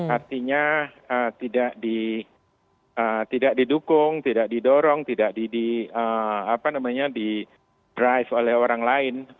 artinya tidak didukung tidak didorong tidak di drive oleh orang lain